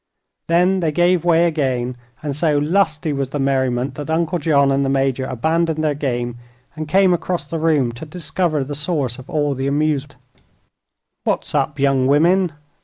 Then they gave way again, and so lusty was the merriment that Uncle John and the Major abandoned their game and came across the room to discover the source of all this amusement. "What's up, young women?"